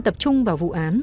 tập trung vào vụ án